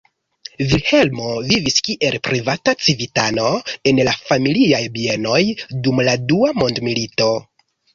Vilhelmo vivis kiel privata civitano en la familiaj bienoj dum la Dua Mondmilito.